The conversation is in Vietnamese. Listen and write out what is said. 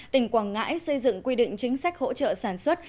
tỉnh quảng ngãi xây dựng quy định chính sách hỗ trợ sản xuất